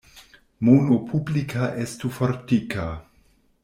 Mono publika estu fortika.